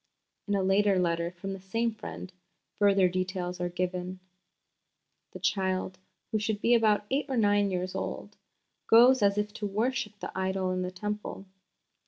In a later letter from the same friend further details are given: "The child, who should be about eight or nine years old, goes as if to worship the idol in the Temple.